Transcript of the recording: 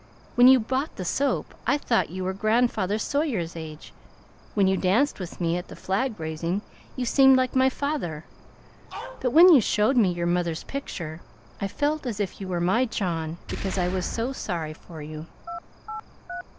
When you bought the soap, I thought you were grandfather Sawyer's age; when you danced with me at the flag raising, you seemed like my father; but when you showed me your mother's picture, I felt as if you were my John, because I was so sorry for you."